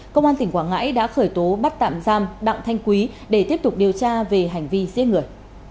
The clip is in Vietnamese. công an tỉnh quảng ngãi đã khởi tố bắt tạm giam đặng thanh quý để tiếp tục điều tra về hành vi giết người